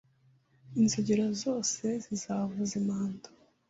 Inzogera zose zizavuza impanda